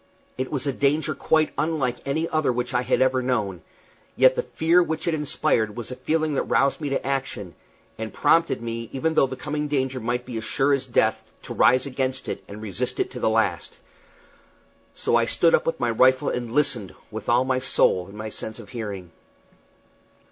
It was a danger quite unlike any other which I had ever known; yet the fear which it inspired was a feeling that roused me to action, and prompted me, even though the coming danger might be as sure as death, to rise against it and resist to the last. So I stood up with my rifle and listened, with all my soul in my sense of hearing.